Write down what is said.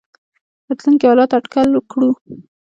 راتلونکي حالات اټکل کړو.